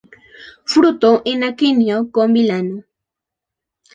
Fruto en aquenio con vilano.